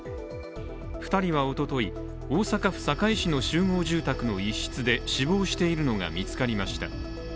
２人はおととい、大阪府堺市の集合住宅の一室で死亡しているのが見つかりました。